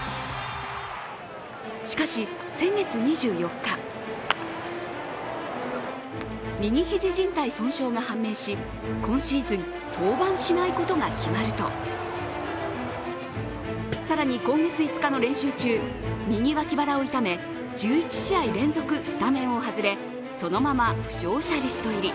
しかし、先月２４日、右肘じん帯損傷が判明し、今シーズン登板しないことが決まると更に今月５日の練習中、右脇腹を痛め１１試合連続スタメンを外れ、そのまま負傷者リスト入り。